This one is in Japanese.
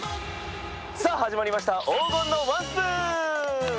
さあ始まりました「黄金のワンスプーン！」。